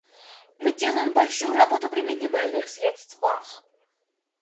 Мы делаем большую работу при минимальных средствах.